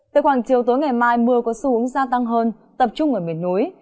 từ khoảng chiều tối ngày mai mưa có xu hướng gia tăng hơn tập trung ở miền núi